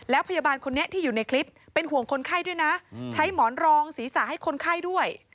แล้วพยาบาลคนนี้ที่อยู่ในคลิปเป็นห่วงคนไข้ด้วยนะใช้หมอนรองศีรษะให้คนไข้ด้วย